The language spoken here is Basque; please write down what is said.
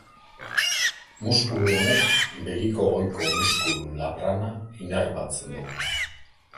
Muskulu honek begiko goiko muskulu laprana inerbatzen du.